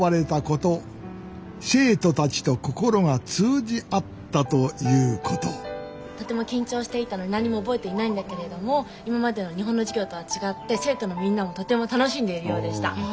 生徒たちと心が通じ合ったということ「とても緊張していたので何も覚えていないんだけれども今までの日本の授業とは違って生徒のみんなもとても楽しんでいるようでした。